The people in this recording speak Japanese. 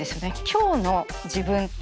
今日の自分。